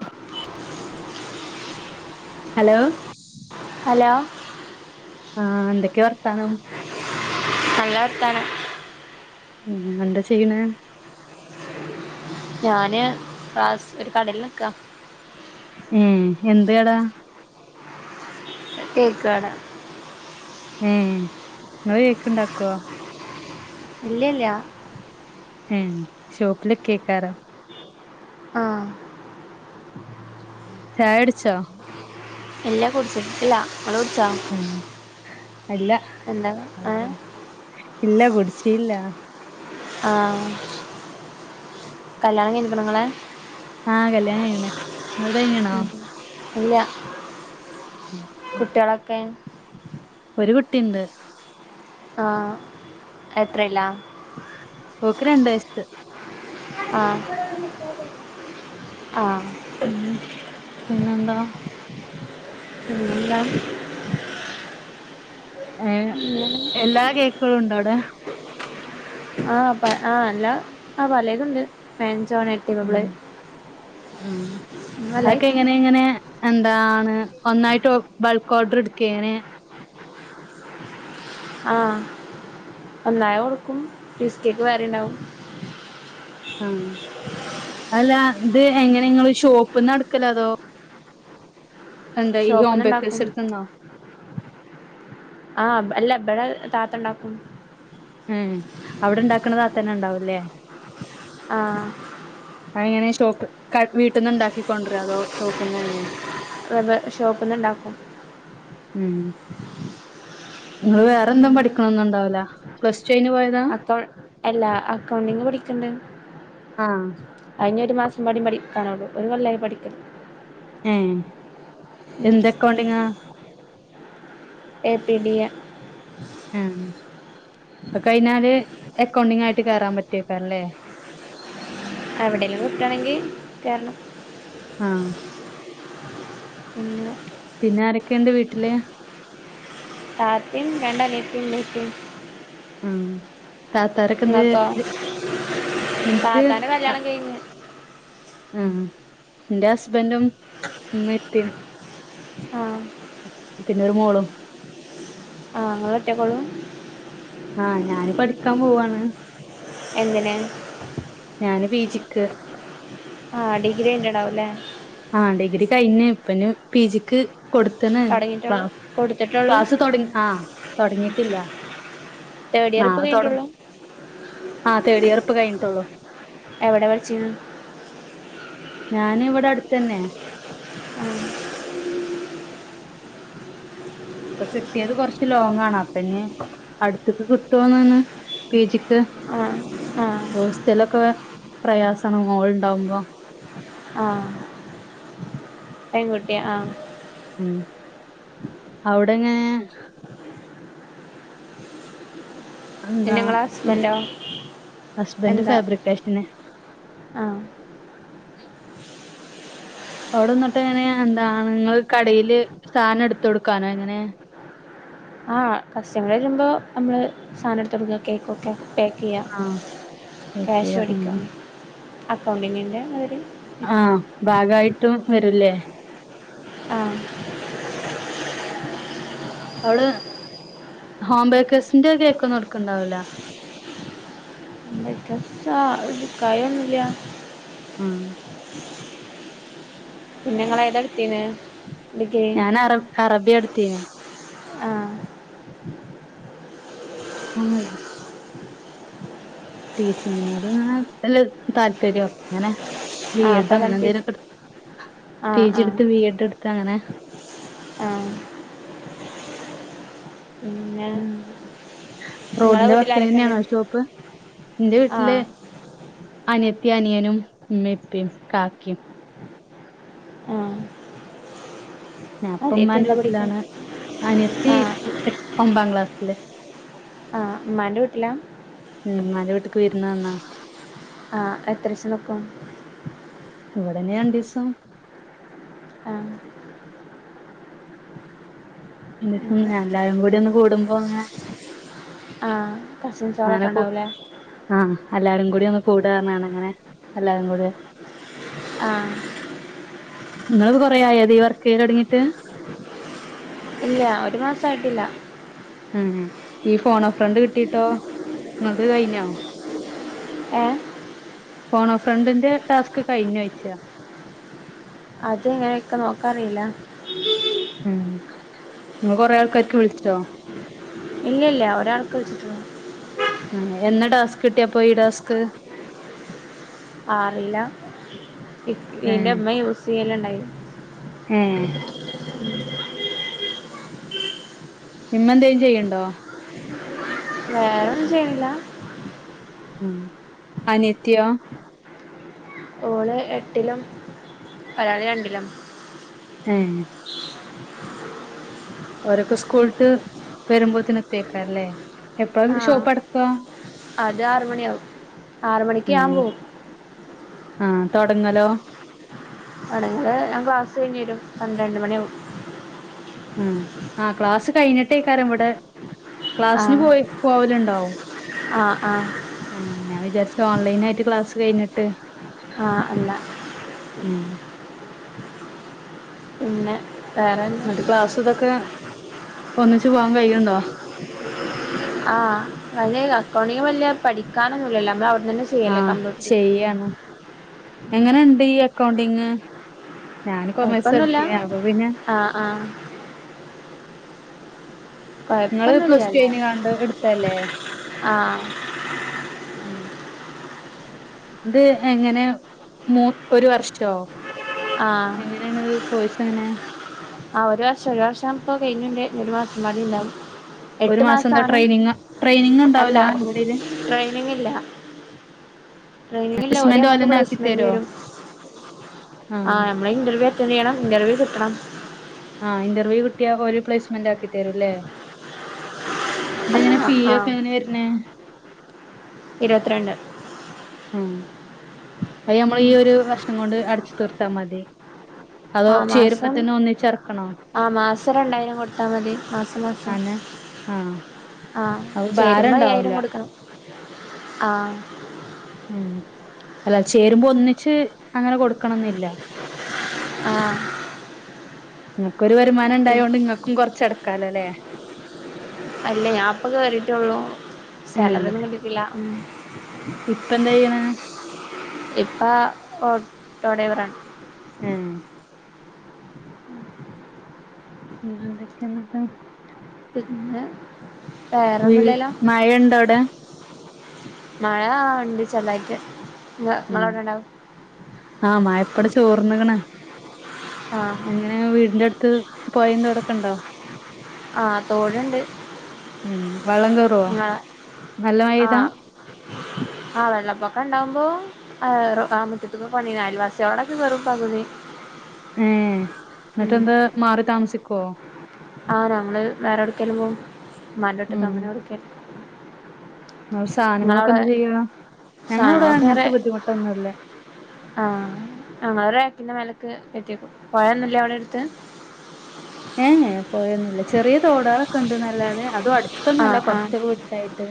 ആ. [unintelligible] Hello. Hello. ആഹ് എന്തൊക്കെ വർത്താനം. നല്ലവർത്താനം. ഉം എന്താ ചെയ്യ്ണ്. ഞാന് ക്ലാസ്‌ ഒരു കടേല് നിക്കാ ഉം എന്ത് കടാ കേക്ക് കടാ ഉം ങ്ങള് കേക്കുംണ്ടാക്കുവൊ ഇല്ല ല്ലാ ഉം ഷോപ്പിലിക്കേക്കാറം ആഹ് ചായ കൂട്ച്ചോ ഇല്ലാ കുടിച്ചിട്ടില്ല ങ്ങള് കുടിച്ചാ ഉം അല്ല എന്താ ഏഹ് ഇല്ല കുട്ച്ചീല്ല ആഹ് കല്യാണം കയ്ഞ്ഞ്ക്കണോങ്ങളെ ആഹ് കല്യാണം കഴ്ഞ്ഞീണ് ങ്ങള്ത് കയ്ഞ്ഞീണോ ഇല്ലാ ഉം കുട്ട്യാളൊക്കെ ഒരു കുട്ടിണ്ട് ആഹ് എത്രേലാ ഓക്ക് രണ്ട് വയസ്സ് ആഹ് ആഹ് ഉം പിന്നെന്താ പിന്നെന്താ ഏഹ് ഇല്ല എല്ലാ കേക്കുകളും ണ്ടോ അവിടെ ആ ആ എല്ലാ ആ പലേതുണ്ട് മെഞ്ചോനെ ഉം ഉം അങ്ങനെ പല അതൊക്കെ ഐറ്റം എങ്ങനെ എങ്ങനെ എന്താണ് ഒന്നായിട്ട് ബൾക്ക് ഓർഡറ്ട്ക്കേ ങ്ങനെ ആ ഒന്നായും കൊടുക്കും പീസ്കേക്ക് വേറെണ്ടാവും ആ അല്ലാ ഇത് എങ്ങനെ ങ്ങള് ഷോപ്പ്ന്നാ ഇട്ക്കല് അതോ ന്താ ഈ ഹോം ഷോപ്പ്ന്ന് ഇണ്ടാക്കും ബേക്കസ്ട്ത്ത്ന്നോ ആ അല്ലബടെ താത്ത ണ്ടാക്കും ഏഹ് അവിടെണ്ടാക്ക്ണെ താത്തെന്നെണ്ടാവൂല്ലേ ആഹ് അയ്ങ്ങനെ ഷോപ്പ് വീട്ട്ന്ന്ണ്ടാക്കികൊണ്ട്രോ അതോ ഷോപ്പിൽന്ന് തന്നെ അതെ ഷോപ്പിൽണ്ടാക്കും ഉം ങ്ങള് വേറെന്നും പിന്നെ പഠിക്ക്ണൊന്നുംണ്ടാവൂലാ പ്ലസ്ടുയ്ഞ്ഞ് പോയതാ അല്ല അക്കൗണ്ടിങ് പടിക്ക്ണ്ട് ആഹ് അയ്ഞ്ഞൊരു മാസം പാടി പഠിക്കാനുള്ളൂ ഒരു കൊല്ലായി പഠിക്ക്നു ഏഹ് ഉം എന്ത് അക്കൗണ്ടിംങാ എ പി ഡി എ ഉം അയ് കഴിഞ്ഞാല് അക്കൗണ്ടിംഗായിട്ട് കേറാൻ പറ്റിയേക്കാരം ല്ലേ എവിടെലും കിട്ടാണെങ്കി കേറണം ആഹ് പിന്നെ പിന്നെ ആരൊക്കെണ്ട് വീട്ടില് താത്തേം രണ്ട് അനിയത്തിം മ്മച്ചിം ഉം താത്താരെക്കെ ന്താ ഇങ്ങക്കോ ഇന്ക്ക് താത്താന്റെ [unintelligible] ഉം ന്റെ ഹസ്ബൻഡും ഇമ്മേം പ്പീം ആഹ് പിന്നെരു മോളും ആഹ് നിങ്ങൾ ഒറ്റക്കള്ളൂ ആഹ് ഞാന് പഠിക്കാൻ പോവാണ് എന്തിനെ ഞാന് ബീജിക്ക് ആഹ് ഡിഗ്രി ഉന്റെടാവുംല്ലേ ആഹ് ഡിഗ്രി കഴിഞ്ഞ ഇപ്പന് പി ജിക്ക് കൊടുത്തന് ക്ലാ തൊടങ്ങിട്ടൊള്ളൂ കൊടുത്തിട്ടൊള്ളൂ ക്ലാസ്സ് തുടങ്ങ ആ തുടങ്ങിയിട്ടില്ല തേർഡ് ഇയർ ഇപ്പ കഴഞ്ഞട്ടുള്ളു ആഹ് തേടിയർ ഇപ്പ കഴിഞ്ട്ടോള്ളൂ എവടെ പഠിച്ചീന് ഞാൻ ഇവടെ അട്ത്തതന്നെ ആഹ് ഇപ്പ കിട്ടിയത് കൊറച്ച് ലോങ്ങാണ് അപ്പ ഞ് അട്ത്ത്ക്ക് കിട്ടോന്ന് ഒന്ന് പി ജിക്ക് ആഹ് ആഹ് ഹോസ്റ്റലൊക്കെ പ്രയാസാണ് മോൾ ഇണ്ടാവുമ്പോ ആഹ് പെൺകുട്ടിയ ആഹ് ഉം അവടെങ്ങനെ എന്താ പിന്നെ ഇങ്ങള ഹസ്ബന്റോ ഹസ്ബൻഡ് എന്താ ഫാബ്രിക്കേഷന് ആഹ് അവടന്ന്ട്ട് എങ്ങനെയ എന്താണ് ഇങ്ങൾ കടയില് സാനം ഇട്ത്തൊട്ക്കാനോ എങ്ങനെ ആഹ് കസ്റ്റമർ വരുമ്പോ നമ്മൾ സാനം ഇട്ത്തൊട്ക്ക കേക്ക് ഓക്കെ പേ ചെയ്യാം ആഹ് ഓക്കെ ക്യാഷ് ഉം മേടിക്കാം അക്കൗണ്ടിങ്ങിന്റെ ഉണ്ട് അരു ആഹ് ബാഗായിട്ടും വരുല്ലേ ആഹ് അവള് ഹോം ബേക്കേഴ്സിന്റെ കേക്കൊന്നും എട്ക്ക്ണ്ടാവൂല എന്തക്ക ആഹ് ഇട്ക്കായൊന്നുല്ല ഉം പിന്നങ്ങൾ ഏത ഇട്ത്തീന് ഞാൻ അറ അറബിയ ഇട്ത്തീന്ന് ആഹ് ആ ടീച്ചിങ്ങിനോട് അ നല്ല താല്പര്യ അങ്ങനെ ബി ആഹ് അപ്പ എഡ് അങ്ങനെ അതാണ് പി എന്തേലൊക്കെ ഇ പി ആഹ് ജി ആഹ് ഇട്ത്ത് ബി എഡ് ഇട്ത്ത് അങ്ങനെ ആഹ് പിന്നെ ഉം ഇങ്ങളെ റോഡിന്റെ വീട്ടിൽ വക്കി ആരൊക്കെണ്ട് നന്നെണോ ഷോപ്പ് ഇന്റെ വീട്ട്ല് ആഹ് അനിയത്തി അനിയനും ഇമ്മിം ഇപ്പിം കാ ക്കിം ആഹ് ഞാപ്പ അനിയത്തി ഇമ്മാന്റെ എന്താ വീട്ട്ലാണ് പഠിക്കണെ അനിയത്തി ആഹ് എ ഒമ്പാം ക്ലാസ്സില് ആഹ് ഇമ്മാന്റെ വീട്ട്ല ഉം ഇമ്മാന്റെ വീട്ട്ക്ക് വിരുന്ന് വന്നാ ആഹ് എത്രസിം നിക്കും ഇവട ഇനി രണ്ടീസം ആഹ് എ അങ്ങനെ എല്ലരും കൂടി ഒന്ന് കൂടുമ്പോ ങ്ങനെ ആഹ് കസിൻ അങ്ങനെ സാറൊക്കേ കു ഇണ്ടാവൂലേ ആഹ് എല്ലാരും കൂടി ഒന്ന് കൂട് പറണാണ് അങ്ങനെ എല്ലാരും കൂടി ആഹ് ങ്ങൾ കൊറേ ആയോ ഈ വർക്ക് ചെയ്യലൊടങ്ങിട്ട് ഇല്ല ഒരു മസായിട്ടില്ല ഉം ഈ ഫോൺ ഓഫർണ്ട് കിട്ടിട്ടോ നിങ്ങക്ക് കഴഞ്ഞോ ഏഹ് ഫോണോ ഫ്രണ്ടിന്റെ ടാസ്ക്ക് കയ്ഞ്ഞോയ്ച്ച അത് എങ്ങനെ ഇക്ക് നോക്കാറീല്ല ഉം ങ്ങൾ കൊറെ ആൾക്കാര്ക്ക് വിളിച്ചോ ഇല്ല ല്ല ഒരാള്ക്ക് വിളിച്ച്ടൊ എന്നാ ടാസ്ക് കിട്ടിയപം ഈ ടാസ്ക് ആറില്ല പിന്നെ ഏഹ് മ്മ യൂസ് ചെയ്യല് ണ്ടായിനി ഏഹ് മ്മെന്തേലും ചെയ്ണ്ടോ വേറെൊന്നും ചെയ്ണി ല്ല ഉം അനിയത്തിയൊ ഓള് എട്ടിലും ഒരാള് രണ്ടിലും ഏ ഹ് ഓരോക്കെ സ്കൂൾട്ട് വരുമ്പോത്തിന് എത്തേയ്ക്കാരല്ലേ എപ്പഴ ആഹ് ന്ന്ട്ട്ഷോപ്പടക്ക അത് ആറ് മണിയാവും ആറ് മണിക്ക് ഉം ഞാൻ പോവും ആ തൊടങ്ങലോ തൊടങ്ങലെ ഞാൻ ക്ലാസ് കഴിഞ്ഞ് വരും പന്ത്രണ്ട് മണി ആകും ഉം ആ ക്ലാസ് കഴിഞ്ഞിട്ടേക്കാരം ഇവിടെ ക്ലാസിന് ആഹ് പോയി പോവലുണ്ടാവും ആഹ് ആഹ് ആഹ് ഞാൻ വിചാരിച്ചു ഓൺലൈനായിട്ട് ക്ലാസ് കഴിഞ്ഞിട്ട് ആ അല്ല ഉം പിന്നെ വേറെന്താ ന്നിട്ട് ക്ലാസ്സ് ഇതൊക്കെ ഒന്നിച്ച് പോവാൻ കഴിയുണ്ടോ ആ ഐൻ അക്കൗണ്ടിങ് വലിയ പഠിക്കാനൊന്നുംല്ലല്ലോ നമ്മളവിടെ ന്നെന്നെ ആഹ് ചെയ്യാണ് എങ്ങനെണ്ട് ഈ അക്കൗണ്ടിങ് ഞാന് കൊമേഴ്സ കൊഴപ്പൊന്നുല്ല എട്തീനി അപ്പൊ പിന്നെ ആഹ് ആഹ് ങ്ങള് പ്ലസ് ടു കൊഴപ്പൊന്നുല്ലല്ലോ കഴിഞ്ഞാണ്ട് ഇട്ത്തല്ലേ ആഹ് ഉം ഇത് എങ്ങനെ മു ഒരു വർഷോ ആഹ് എങ്ങനെയാണത് കോഴ്സ് എങ്ങനെ? ആ ഒരു വർഷം ഒരു വർഷം പ്പം കഴിഞ്ന്റെ ഒരു മാസം മ്പാടി ഉണ്ടാവും ഒരു എട്ട് മാസം എന്താ മാസാണ് ട്രെയിനിങ് ട്രെയിനിങ് അല്ല ഉണ്ടാവുല ഇവിടെയില് ട്രെയിനിങ് ഇല്ല ട്രെയിനിങ്ല്ല ഓര് പ്ലേസ്മെന്റ് ഞമ്മക്ക് ഓലന്നെ ആക്കി പ്ലേസ്മെന്റ് തരോ തരും ആ ആഹ് ഞമ്മൾ ഇന്റെവ്യു അറ്റന്റ് ചെയ്യണം ഇന്റർവ്യു കിട്ടണം ആ ഇന്റവ്യു കിട്ടിയാ ഓല് പ്ലേസ്മെന്റ് ആക്കി തരൂല്ലേ തെങ്ങനെ ഫീ ഒക്കെ എങ്ങനെ വരുന്നെ ഇരുവത്രണ്ട് ഉം അയ് നമ്മൾ ഈ ഒരു വർഷം കൊണ്ട് അടച്ച് തീർത്താ മതി അതോ ചേരുമ്പോ തന്നെ ഒന്നിച്ച് ർക്കണോ ആ മാസം രണ്ടായിരം കൊടുത്താൽ മതി മാസം മാസം അന്നെ ആഹ് ആ അപ്പൊ ഭാരം ചേരുമ്പോ അയ്യായിരം ഉണ്ടാവൂല കൊടുക്കണം ആഹ് ഉം അല്ല ചേരുമ്പോ ഒന്നിച്ച് അങ്ങനെ കൊടുക്കണംന്നില്ല ആഹ് നിങ്ങൾക്കൊരു വരുമാനം ഉണ്ടായ കൊണ്ട് നിങ്ങക്കും കൊറച്ച്ടക്കാലോല്ലേ അല്ല ഞാൻപ്പൊ കേറിയിട്ടുള്ളു ഏഹ് സാലറി ഒന്നും കിട്ടിട്ടില്ല ഇപ്പ എന്താ ചെയ്യണ ഇപ്പാ ഓട്ടോ ഡ്രൈവറാണ് ഉം പിന്നെ. എന്തൊക്കെയ നിട്ട്. പിന്നെ വേറെന്നുംല്ലല്ലോ. മഴ ഉണ്ടാ അവിടെ. മഴ ഉണ്ട് ചെർതായിട് ങ്ങളവിടെ ഉണ്ടാ. ആ മഴ ഇപ്പങ്ങട്ട് ചോർന്ക്ക്ണ് ആഹ് എങ്ങനെ വീടിന്റെ അടുത്ത്. പോയീം തോടക്കണ്ടോ. ആഹ് തോടുണ്ട്. ഉം വള്ളംകറുവോ ഇങ്ങളെ നല്ല മഴയ്താ. ആഹ് ആഹ് വെള്ളപ്പൊക്കണ്ടാവുമ്പോ. ആമുറ്റത്ത് ക്കൊക്കെ വന്നീനു അയൽവാസ ളോടൊക്കെ വെറും പകുതി. ഏ എന്നിട്ട് ഉം എന്താ മാറി താമസിക്കുവോ. ആഹ് ഞങ്ങള് വേറെ എവിടക്കേലും പോകും മ്മാന്റെ വീട്ടക്കൊ ഉം അങ്ങനെ എവിട്ക്കേലും. ആഹ് സാധനങ്ങളൊക്കെ എന്ത് ഇങ്ങളവിടെ ചെയ്യുവ ഞങ്ങളവിടെ സാധനങ്ങളൊക്കെ അങ്ങനത്തെ ഏറെ ബുദ്ധിമുട്ടൊന്നുംല്ല. ആഹ് ഞങ്ങള് റാക്കിന്റെ മേലക്ക് കയറ്റി വെക്കും പുഴയൊന്നുംല്ല അവിടെ എടുത്ത്. ഏ പുഴന്നൂല്ല ചെറിയ തോടാളൊക്കെ ഉണ്ട് നല്ലാതെ. അതും അടുത്തൊന്നല്ല ആഹ് ആഹ് കൊറച്ചൊക്കെ വിട്ടായിട്ട്.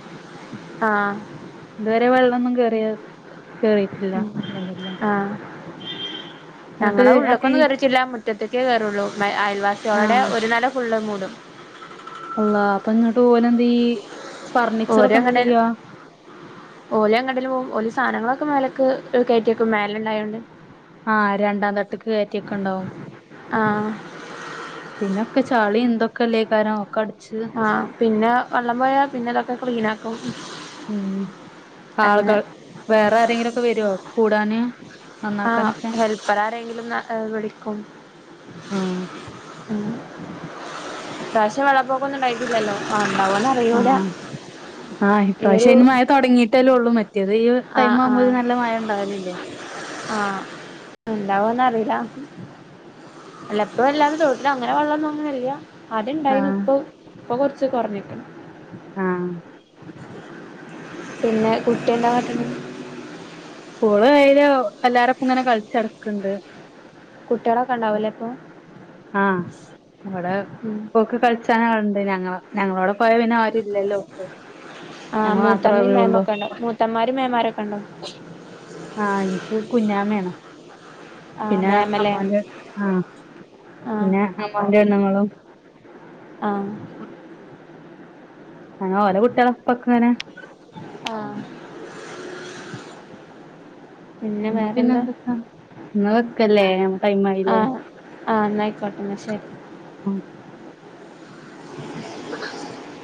ആഹ് ഇതുവരെ വെള്ളമൊന്നും കേറിയ കേറിട്ടില്ല. ഉം അൽഹംദുലില്ലാഹ് ആഹ് ഞങ്ങളെ അപ്പൊ ഈ ഉള്ക്കൊന്നും കയറിറ്റില്ല മുറ്റത്തക്കേ കയറുള്ളൂ ആ അയൽവാസികളുടെ ഒരുനില ഫുള്ളള് മൂടും. അള്ളാ അപ്പൊ ഇന്ന്ട്ട് ഓലന്തായാ. ഓരെണ്ട്ട്ടേലും. ഓലങ്ങ്ട്ടേലും പോവും ഓല് സാധനങ്ങളൊക്കെ മേലക്ക് കയറ്റിയക്കും മേല ഉണ്ടായോണ്ട്. ആഹ് രണ്ടാം തട്ട്ക്ക് കയറ്റിക്കെണ്ടാവും. ആഹ്. പിന്നൊക്കെ ചളി ന്തൊക്കെല്ലേ കാരം ഒക്കെ അടിച്ച്. ആഹ് പിന്നെ വെള്ളം പോയാ പിന്നെ അതൊക്കെ ക്ലീൻ ആക്കും. ഉം ആളുകൾ വേറെ ആരെങ്കിലുംക്കെ വരുവോ കൂടാന്. ആഹ് നന്നാക്കാനൊക്കെ ഹെൽപ്പർ ആരെങ്കിലും വിളിക്കും. ആ ഉ പ്രാവശ്യം വെള്ളപൊക്കൊന്നും ഉണ്ടായിട്ടില്ലല്ലോ ആ ഉണ്ടാവോനാവോ. ആഹ് ആഹ് ഒരു ഇപ്രാവശയ്ന് മഴ. തുടങ്ങിട്ടല്ലേ ഉള്ളൂ മറ്റത് ഈ ടൈം ആഹ് ആവുമ്പോ ആഹ് നല്ല മഴ ഉണ്ടാവലില്ലേ. ആഹ് ഉണ്ടാവോന്നറിയില്ല. അല്ല ഇപ്പ ഇല്ലാത തോട്ടില് അങ്ങനെ വെള്ളന്നും അങ്ങനില്ല. അദ്യണ്ടായിന് ആഹ് ഇപ്പ ഇപ്പൊ കുറച്ച് കുറഞ്ഞേക്കണ്. ആഹ്. പിന്നെ കുട്ടിയെന്ത കാട്ടണ്. ഓള് അയിന് എല്ലാരപ്പ ഇങ്ങനെ കളിച്ചെടക്കണ്ട്. കുട്ടികളൊക്കെ ഉണ്ടാവലേ അപ്പൊ. ആഹ് ഇവിടെ ഉം ഓക്ക് കള. കളിചാനാളുണ്ട് ഞങ്ങള ഞങ്ങളോടെ പോയ പിന്നെ ആരുല്ലല്ലോ ഒക്. ആഹ് മൂത്തമ്മിം മേമൊക്കെ ഉണ്ട് മൂത്തമ്മാരും മേന്മാരൊക്കെ ഉണ്ടോ ആഹ് ഇനിക്ക് കുഞ്ഞാമേണ് ആഹ് പിന്നെ മേമലേ അമ്മോന്റെ ആഹ്. ആഹ് പിന്നെ അമോന്റെ പിന്നെ പെണ്ണ്ങ്ങളും. ആഹ്. ആ ഓല കുട്ടികളൊപൊക്കങ്ങനെ ആഹ് ഇന്ന പിന്നെ എന്തൊക്കാ ഇന്ന വെക്കല്ലേ മ്മക്ക് ടൈമായിലെ ആഹ് ആഹ് അന്നാ ആയിക്കോട്ടെ എന്ന ശരി ഉം [inaudible]